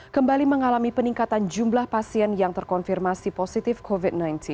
kembali mengalami peningkatan jumlah pasien yang terkonfirmasi positif covid sembilan belas